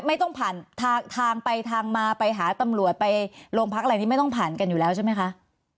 ไม่ต้องผ่านทางไปทางมาไปหาตำรวจไปโรงพักอะไรนี้ไม่ต้องผ่านกันอยู่แล้วใช่ไหมคะ